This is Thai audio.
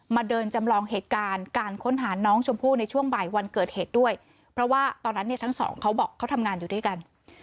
เดินจำลองเหตุการณ์การค้นหาน้องชมพู่ในช่วงบ่ายวันเกิดเหตุด้วยเพราะว่าตอนนั้นเนี่ยทั้งสองเขาบอกเขาทำงานอยู่ด้วยกัน